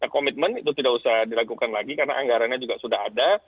komitmen itu tidak usah dilakukan lagi karena anggarannya juga sudah ada